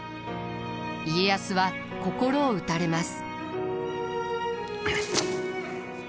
家康は心を打たれます。